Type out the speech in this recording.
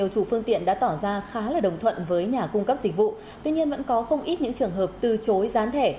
công an là đồng thuận với nhà cung cấp dịch vụ tuy nhiên vẫn có không ít những trường hợp từ chối gián thẻ